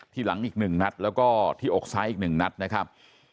ที่หลังอีกหนึ่งนัดแล้วก็ที่อกซ้ายอีกหนึ่งนัดนะครับ